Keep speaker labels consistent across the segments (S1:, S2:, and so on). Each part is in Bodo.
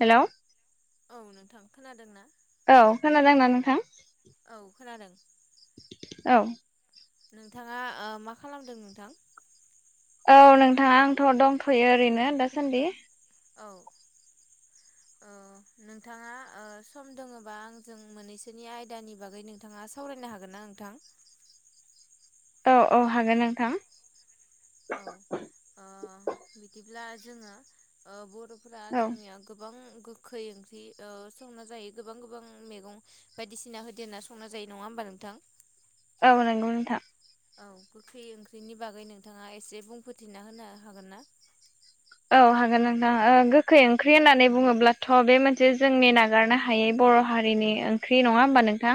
S1: हेल'
S2: औ नोंथां खोनादों ना
S1: औ खोनादोंना नोंथां
S2: औ खोनादों
S1: औ
S2: नोंथाङा ओ मा खालामदों नोंथां।
S1: औ नोंथाङा आंथ' दंथ'यो ओरैनो दासान्दि
S2: औ अ नोंथाङा ओ सम दोङबा आंजों मोननैसोनि आयदानि बागै नोंथाङा सावराय नो हागोन ना नोंथां?
S1: औ औ हागोन नोंथां
S2: औ ओ बिदिब्ला जोङो ओ बर' फोरा
S1: औ
S2: जोंनिया गोबां खै ओंख्रि संना जायो गोबां गोबां मैगं बायदिसिना होदेरना संना जायो नङा होमबा नों दां
S1: औ नंगौ नोंथां।
S2: औ गोखै ओंख्रिनि बागै नोंथाङा एसे बुंफोथिना होनो हागोन ना?
S1: औ हागोन नोंथां ओ गोखै ओंख्रि होननानै बुङोब्लाथ' बे मोनसे जोंनि नागारनो हायै बर' हारिनि ओंख्रि नङा होमबा नोंथां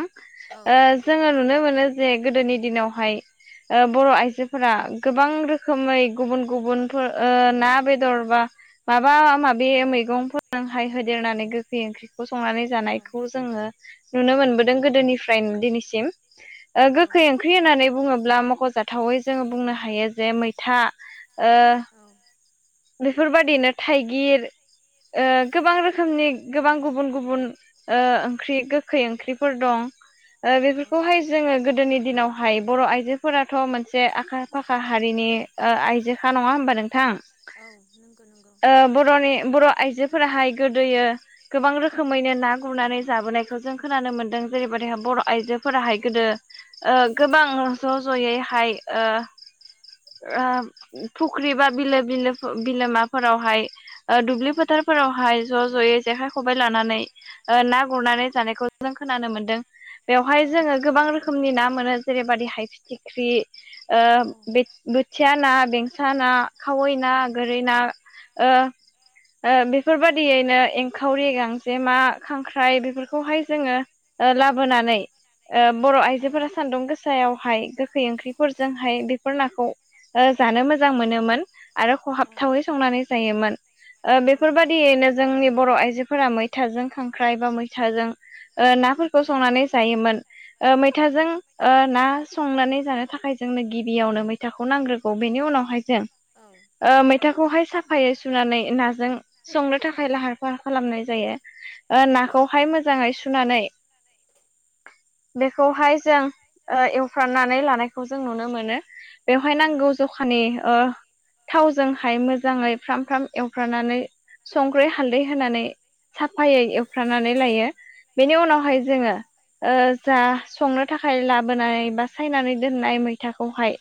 S2: औ
S1: ओ
S2: नंगौ
S1: जोङो नुनो मोनो जे गोदोनि दिनाव फाय ओ बर' आइजोफोरा गोबां रोखोमै गुबुन गुबुनफोर ओ ना बेद दरबा माबा माबे मैगंफोरहाय होदेरनानै गोखै ओंख्रि संनानै
S2: औ
S1: जानायखौ जोङो नुनो मोनबोदों गोदोनिफ्राय दिनैसिम। ओ गोखै ओंख्रि होननानै बुङोब्ला मख'जाथावै जोङो बुंनो हायो जे मै था ओ
S2: औ
S1: बेफोरबायदिनो थाइगिर ओ
S2: औ
S1: गोबां रोखोमनि गोबां गुबुन गुबुन ओ ओंख्रि गोखै ओंख्रिफोर दं। ओ बेफोरखौहाय जोङो गोदोनि दिनावहाय बर' आइजोफोराथ' मोनसे आखा फाखा हारिनि आइजोखा नङा होमबा नोंथां
S2: औ नोंगो नोंगो
S1: ओ बर'नि बर' आइजोफोराहाय गोदोयो गोबां रोखोमैनो ना गुरनानै जाबोनायखौ जों खोनानो मोन्दों जेरैबायदिहाय बर' आइजोफोराहाय गोदो ओ गोबां ज' ज'यैहाय ओ ओ फुख्रि बा बिलो बिलो बिलोमाफोरावहाय ओ दुब्लि फोथारफोरावहाय ज' ज'यै जेखाइ खबाय लानानै ओ ना गुरनानै जानायखौ जों खोनानो मोनदों
S2: औ
S1: बेवहाय जोङो गोबां रोखोमनि ना मोनो जेरैबादि हाय फिथिख्रि ओ बे बोथिया ना बेंसा ना खावै ना
S2: औ
S1: गोरै ना ओ ओ बेफोर‌ बायदियैनो एंखावरि, गांजेमा, खांख्राइ बेफोरखौहाय जोङो ओ लाबोनानै ओ
S2: औ
S1: बर'आइजोफोरा सान्दुं गोस सायावहाय गोखै ओंख्रिफोरजोंहाय बेफोर नाखौ ओ जानो मोजां मोनोमोन आरो खहाबथावै संनानै जायोमोन। ओ बेफोर बायदियैनो जोंनि बर' आइजोफोरा मैथाजों खांख्राइ बा मैथाजों ओ नाफोरखौ संनानै जायोमोन ओ मैथाजों ओ ना संनानै जानो थाखाय जों जोंनो गिबियावनो मैथाखौ नांग्रोगौ बेनि उनावहाय जों ओ मै मैथाखौहाय साफायै सुनानै नाजों संनो थाखाय लाहार फाहार खालामनाय जायो। ओ नाखौहाय मोजाङै सुनानै बेखौहाय जों ओ एवफ्राननानै लानायखौ जों नुनो मोनो बेवहाय नांगौ जखानि ओ थावजों हाय मोजाङै फ्राम फ्राम एवफ्रानानै संख्रै हालदै होनानै साफायै एवफ्रानानै लायो बेनि उनावहाय जोङो ओ जा संनो थाखाय लाबोनानै बा सायनानै दोननाय मैथाखौहाय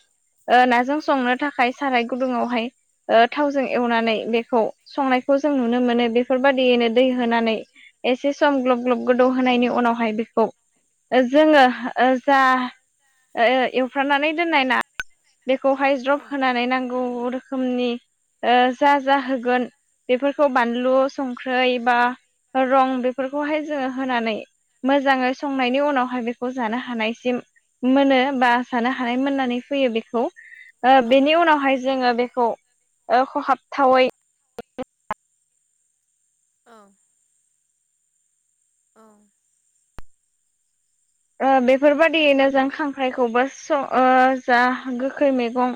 S1: ओ नाजों संनो थाखाय साराय गुदुङावहाय ओ थावजों एवनानै बेखौ संनायखौ जों नुनो मोनो बेफोरबायदियैनो दै होनानै एसे सम ग्लब ग्लब गोदौ होनायनि उनावहाय बेखौ जोङो ओ जा ओ एवफ्रामनानै दोननाय ना बेखौहाय
S2: औ
S1: ज्रफ होनानै नांगौ रोखोमनि ओ जा जाहोगोन बेफोरखौ बानलु संख्रै बा रं बेफोरखौहाय जोङो होनानै मोजाङै संनायनि उनावहाय बेखौ जानो हानायसिम मोनो बा जानो हानाय मोननानै फैयो बेखौ बेनि उनावहाय जोङो बेखौ खहाबथावै
S2: औ। औ
S1: ओ बेफोर बायदियैनो जों खांख्राइखौबो सं ओ जा गोखै मैगं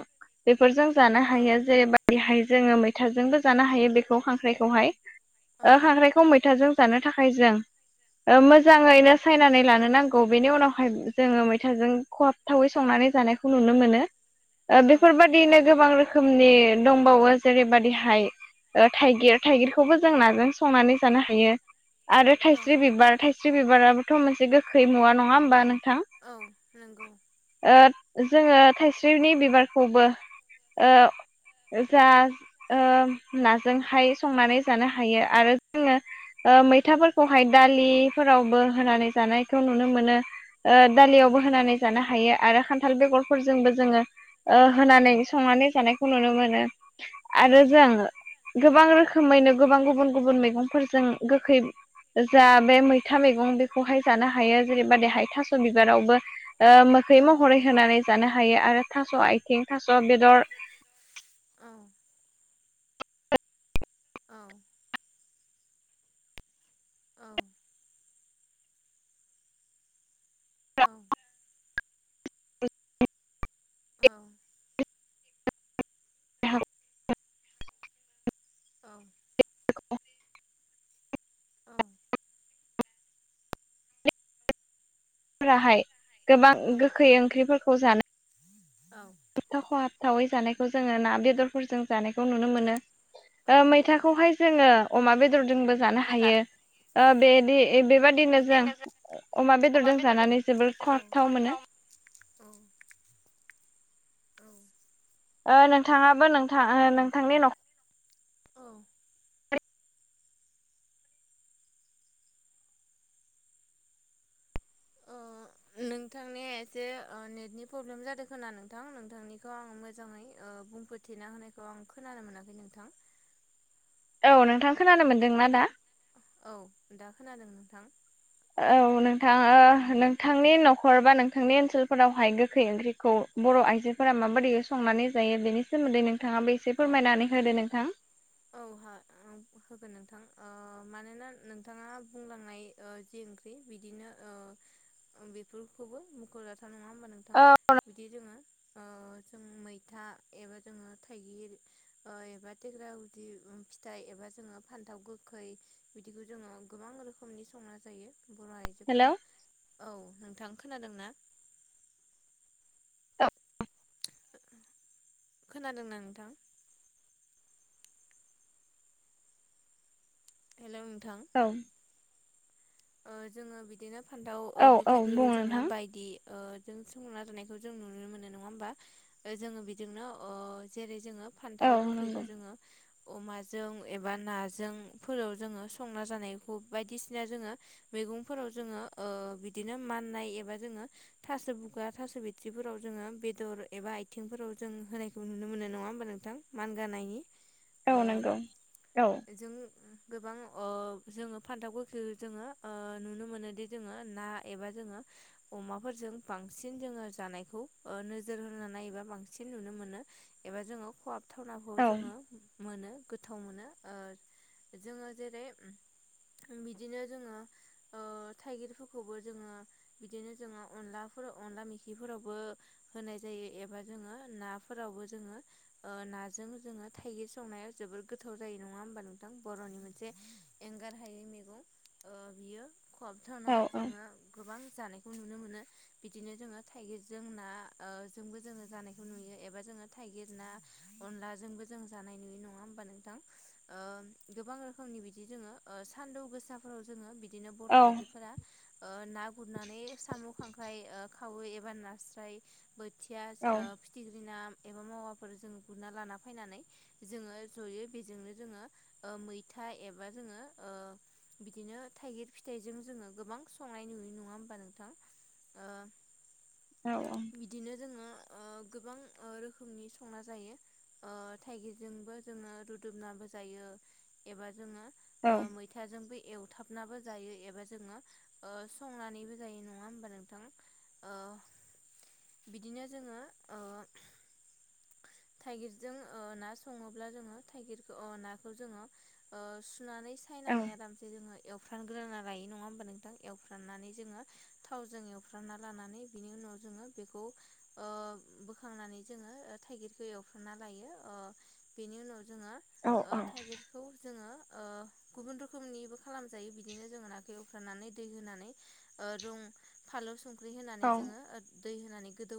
S1: फोरजों जानो हायो जेरै बादिहाय जोङो मैथाजोंबो जानो हायो बेखौ खांख्राइखौहाय ओ खांख्राइखौ मैथाजों जानो थाखाय जों मोजाङैनो सायनानै लानो नां गौ बेनि उनावहाय जोङो मैथाजों खहाबथावै संनानै जानायखौ नुनो मोनो। ओ
S2: औ औ
S1: बेफोरबादिनो गोबां रोखोमनि दंबावो जेरैबादिहाय ओ थाइगिर थाइगिरखौबो जों नाजों संनानै जानो हायो। आरो
S2: औ
S1: थाइस्रि बिबार थाइस्रि बिबाराबोथ' मोनसे गोखै मुवा नङा होमबा नों
S2: औ नंगौ।
S1: ओ जोङो थाइस्रिनि बिबारखौबो ओ जा ओ नाजोंहाय संनानै जानो हायो आरो जोङो मैथाफोरखौहाय दालिफोरावबो होनानै जानाय खौ नुनो मोनो
S2: औ
S1: दालियावबो होनानै जानो हायो। आरो खान्थाल बेगरफोरजोंबो जोङो ओ होनानै संनानै जानायखौ नुनो मोनो।
S2: औ
S1: आरो जों गोबां रो खोमैनो गोबां गुबुन गुबुन मैगंफोरजों गोखै जा बे मैथा मैगं बेखौहाय जानो हायो जेनेबा देहाय थास' बिबारावबो ओ मोखै
S2: औ औ
S1: महरै होनानै जानो हायो आरो थास' आथिं थास' बेदर
S2: उम। औ। औ। औ। औ। औ। औ
S1: फोराहाय गोबां गोखै ओंख्रिफोरखौ जानो
S2: औ
S1: हाबथाव खहाबथावै जानायखौ जोङो ना बेदरफोरजों जानायखौ नुनो मोनो। मैथाखौहाय जोङो अमा बेदरजोंबो जानो
S2: बो
S1: हायो
S2: जानाय
S1: बेदि बेबा दिनो जों अमा बेदरजों जानानै जोबोर खहाबथाव मोनो।
S2: औ औ।
S1: ओ नोंथाङाबो नोंथां नोंथांनि न
S2: औ नोंथांनि एसे नेटनि प्रब्लेम जादों खा नोंथां नोंथांनिखौ आं मोजाङै बुं फोथेना होनायखौ आं खोनानो मोनाखै नोंथां।
S1: औ नोंथां खोनानो मोन्दोंना दा
S2: औ दा खोनादों नोंथां
S1: औ नोंथाङा नोंथांनि न'खर बा नोंथांनि ओनसोलफोरावहाय गोखै ओंख्रिखौ बर' आइजोफोरा माबायदि संनानै जायो बेनि सोमोन्दै नों नोंथाङाबो बे एसे
S2: औ
S1: फोरमायनानै होदो नोंथां
S2: औ हो होगोन नोंथां ओ मानोना नोंथाङा बुंलांनाय जि ओंख्रि बिदिनो ओ बेफोरखौबो मकरा नङा होमबा नोंथां बिदि जोङो ओ जों मैथा एबा जोङो थाइगिर एबा थेग्रा बिदि फिथाइ एबा जोङो फानथाव गोखै बिदिखौ जोङो गोबां रोखोमनि संना जायो। बर'
S1: हेलौ
S2: आइजोफोरा औ नोंथां खोनादों ना
S1: [unintelligible]
S2: खोनादोंना नोंथां? हेलौ नोंथां
S1: औ
S2: ओ जोङो बिदिनो फान्थाव ओ
S1: औ औ
S2: गोखैफोरखौ
S1: बुं
S2: जोङो
S1: नोंथां
S2: बायदि ओ जों संना जानायखौ जों नुनो मोनो नङा होमबा। जोङो बिदिनो ओ जेरै जोङो
S1: औ
S2: फान्थाव गोखैखो
S1: नंगौ
S2: जोङो अमाजों एबा नाजों फोराव जोङो संना जानायखौ बायदिसिना जोङो मैगंफोराव जोङो ओ बिदिनो माननाय एबा जोङो थास' बुगा, थास' बिथ्रिफोर फोराव जोङो बेदर एबा आथिंफोराव जों होनायखौ नुनो मोनो नङा होमबा नोंथां मानगानायनि।
S1: औ
S2: ओ
S1: नंगौ औ
S2: जोङो गोबां ओ जोङो फान्थाव गोखै जोङो ओ नुनो मोनोदि जोङो ना एबा जोङो अमाफोरजों बांसिन जोङो जानायखौ ओ नोजोर होना नायोबा बांसिन नुनो मोनो एबा जों खहाब थावनाखौ
S1: औ
S2: जोङो मोनो गोथाव मोनो ओ जोङो जेरै ओम बिदिनो जोङो ओ थाइगिरफोरखौबो जोङो बिदिनो जोङो अनलाफोराव अनला मोखिफोरावबो होनाय जायो एबा जोङो नाफोरावबो जोङो ओ नाजों जोङो थाइगिर संनायाव जोबोद गोथा व जायो नङा होमबा नोंथां बर'नि मोनसे एंगार हायै मैगं ओ बियो
S1: औ
S2: खहाबथावना
S1: औ
S2: जोङो गोबां जानायखौ नुनो मोनो। बिदिनो जोङो थाइगिरजों ना ओ जोंबो जोङो जानायखौ नुयो एबा जोङो थाइगिर ना अनलाजोंबो जों जानाय नुयो नङा होमबा नोंथां। ओ गोबां रोखोमनि बिदि जोङो ओ सानदुं गोसाफोराव जोङो बि दिनो बर'
S1: औ
S2: आइजोफोरा ओ ना गुरनानै साम' खांख्राय ओ खावै एबा नास्राय, बोथिया
S1: औ
S2: ओ फिथिख्रि ना एबा मावाफोर जों गुरना लाना फायनानै जोङो जयै बेजोंनो जोङो ओ मै- था एबा जोङो ओ बिदिनो थाइगिर फिथाइजों जोङो गोबां संनाय नुयो नङा होमबा नोंथां। ओ बिदिनो जोङो ओ गोबां ओ रोखोमनि संना जायो। ओ थाइगिरजोंबो जोङो रुदुबना जायो एबा जोङो
S1: औ
S2: ओ मैथाजोंबो एउथाब नाबो जायो एबा जोङो संनानैबो जायो नङा होमबा नोंथां। ओ बिदिनो जोङो ओ थाइगिरजों ओ ना सङोब्ला जोङो थाइगिरखो अ नाखौ जोङो ओ सुनानै
S1: औ
S2: सायनानै आरामसे जोङो एवफ्रानग्रोना लायो नङा होमबा नोंथां एवफ्रामनानै जोङो थावजों एवफ्रामना लानानै बिनि उन नाव जोङो बेखौ ओ बोखांनानै जोङो ओ थाइगिरखो एवफ्रमना लायो। ओ बेनि उनाव जोङो ओ थाइगिरखौ जोङो ओ गुबुन रोखोमनिबो खालामजायो बिदिनो जोङो नाखौ एवफ्रामनानै दै होनानै ओ रं फालौ सं ख्रि होनानै जोङो ओत दै होनानै गोदौ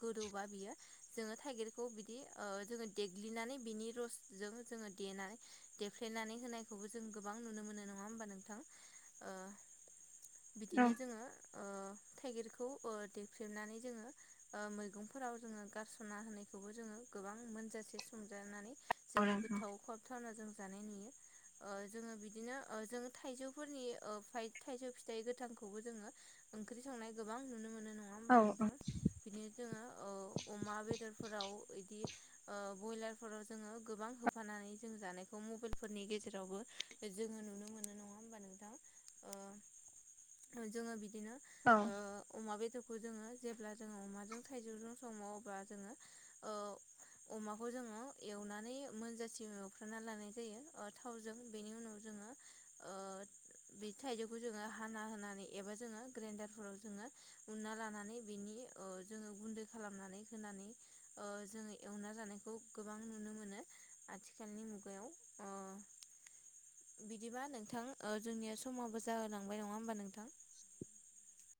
S2: गोदौबा बियो जोङो थाइगिरखौ बिदि ओ जोङो देग्लिनानै बि नि रसजों जोङो देनाय देफ्लेनानै होनायखौबो जों गोबां नुनो मोनो न नङा होमबा नोंथां? ओ बिदिनो जोङो ओ थाइगिरखौ ओ देफ्लेनानै जोङो ओ मैगंफोराव जोङो गारसनना होनायखौबो जोङो गोबां मोनजासे संजानानै जोङो गोथाव ख'हाबथावना जों जानाय नुयो। ओ जोङो बिदिनो ओ जोङो थाइजौफोरनि ओ फ्राय थाइजौ फिथाइ गोथांखौबो जोङो ओंख्रि संनाय गोबां नुनो मोनो। नङा
S1: औ
S2: होमबा
S1: औ
S2: नोंथां? बिदिनो जोङो औ अमा बेदरफोराव ओइदि ओ बयलार फोराव जोङो गोबां होफानानै जों जानायखौ मबाइल फोरनि गेजेरावबो [unintelligible] जोङो नुनो मोननाय नङा होमबा नोंथां? ओ जोङो बि इनो
S1: औ
S2: ओ अमा बेदर जोङो जेब्ला जोङो अमाजों थाइजौजों सङो अब्ला जोङो ओ अमाखौ जों नाव एवनानै मोनजासिम एवफ्रा लानाय जायो थावजों बेनि उनाव जोङो आ बे थाइजौखौ जोङो हाना होनानै एबा जोङो ग्रेडारफोराव जोङो उनना लानानै बि इनि ओ जोङो गुन्दै खालामनानै होनानै ओ जोङो एवना जानायखौ गोबां नुनो मोनो आथिखालनि मुगायाव अ बिदिबा नोंथां ओ जोंनिया समाबो जाहोलांबाय नङा होमबा नोंथां?